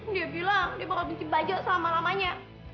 dia bilang dia bakal benci bajie selama lamanya